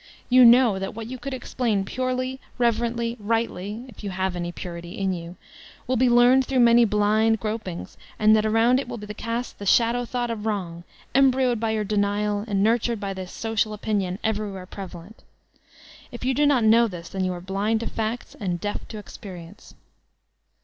You know that what you could explain purely, reverently, rightly (if you have any purity in you), will be learned through many blind gropings, and that around it will be cast the shadow thought of wrong, embryo'd by your denial and nurtured by this social opinion every where prevalent. If you do not know this, then you are bUnd to facts and deaf to Experience.